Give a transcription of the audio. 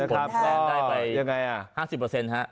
คุณแทนได้ไป๕๐ครับ